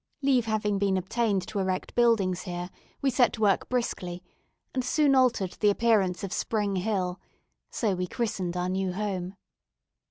Leave having been obtained to erect buildings here, we set to work briskly, and soon altered the appearance of Spring Hill so we christened our new home.